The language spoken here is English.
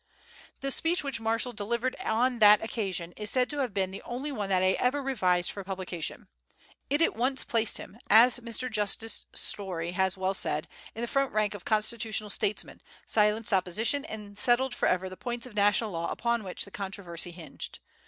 The speech which Marshall delivered on that occasion is said to have been the only one that he ever revised for publication. It "at once placed him," as Mr. Justice Story has well said, "in the front rank of constitutional statesmen, silenced opposition, and settled forever the points of national law upon which the controversy hinged."